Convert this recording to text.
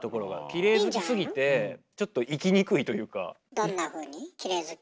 どんなふうにキレイ好き？